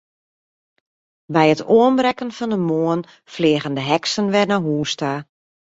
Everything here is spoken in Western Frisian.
By it oanbrekken fan de moarn fleagen de heksen wer nei hús ta.